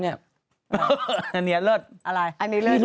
อันนี้เลิศท